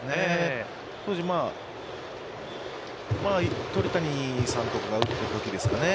当時、鳥谷さんとかが打ったときですかね。